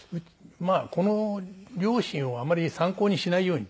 この両親をあまり参考にしないようにって。